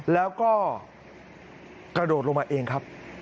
แล้วก็กระโดดลงมาเองครับ